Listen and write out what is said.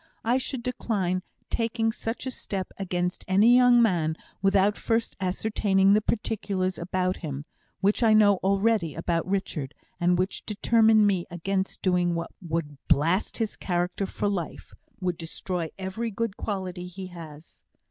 I should decline taking such a step against any young man without first ascertaining the particulars about him, which I know already about Richard, and which determine me against doing what would blast his character for life would destroy every good quality he has."